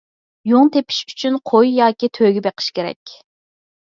يۇڭ تېپىش ئۈچۈن قوي ياكى تۆگە بېقىش كېرەك.